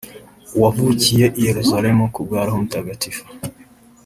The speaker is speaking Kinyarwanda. wavukiye i Yeruzalemu ku bwa roho mutagatifu